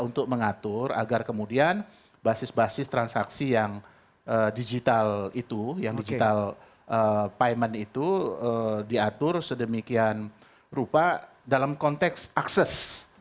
untuk mengatur agar kemudian basis basis transaksi yang digital itu yang digital payment itu diatur sedemikian rupa dalam konteks akses